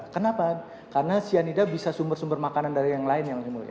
kenapa karena cyanida bisa sumber sumber makanan dari yang lain yang mulia